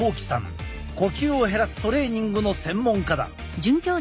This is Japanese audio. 呼吸を減らすトレーニングの専門家だ。